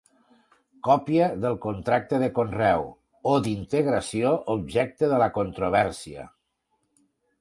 Còpia del contracte de conreu o d'integració objecte de la controvèrsia.